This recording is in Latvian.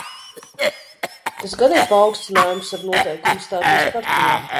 Tas gan ir paaugstinājums ar noteikumu stāties partijā.